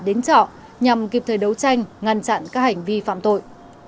đến trọ nhằm kịp thời đấu tranh ngăn chặn các hành vi phạm tội